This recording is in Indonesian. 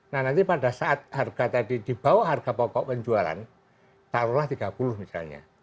nah nanti pada saat harga tadi dibawa harga pokok penjualan taruhlah rp tiga puluh misalnya